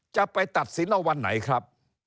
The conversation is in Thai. จะไปตัดสินเอาวันไหนครับ